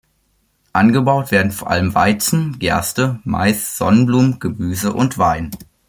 Angebaut werden vor allem Weizen, Gerste, Mais, Sonnenblumen, Gemüse und Wein.